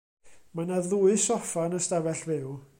Mae 'na ddwy soffa yn y stafell fyw.